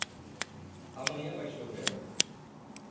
Amanhã vai chover?